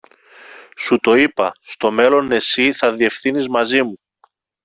Σου το είπα, στο μέλλον εσύ θα διευθύνεις μαζί μου.